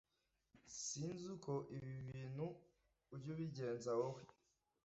sinz uko ibi nbintu ujya ubijyenza wowe